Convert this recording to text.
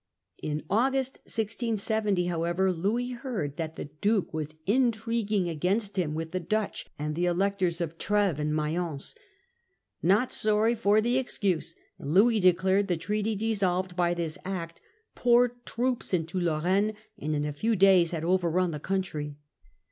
In August, 1670, however Louis heard that the Duke was intriguing against him with the Dutch and the Electors of Trfcves and Mayence. Not sorry for the excuse, Louis declared the treaty dissolved by this act, poured troops into Lorraine, and in a few days had overrun the country.